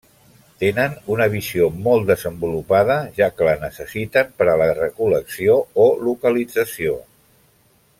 Tenen una visió molt desenvolupada, ja que la necessiten per a la recol·lecció o localització.